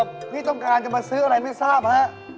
พี่ต้องการจะมาซื้ออะไรไม่ทราบฮะ